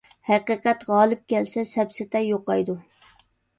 ھەقىقەت غالىب كەلسە سەپسەتە يوقايدۇ.